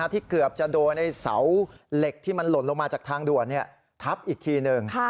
ที่เกือบจะโดนเสาเหล็กที่มันหล่นลงมาจากทางด่วนทับอีกทีหนึ่ง